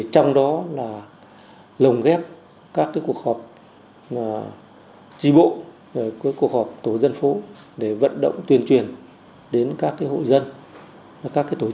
trong đó là lồng ghép các cái cuộc họp chi bộ cuộc họp tổ dân phố để vận động tuyên truyền đến các hội dân các tổ chức để chấp hành các quy định này